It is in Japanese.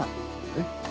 えっ？